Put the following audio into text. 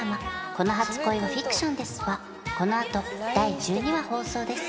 この初恋はフィクションです」はこのあと第１２話放送です